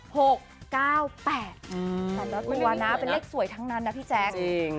แต่ละตัวนะเป็นเลขสวยทั้งนั้นนะพี่แจ๊ค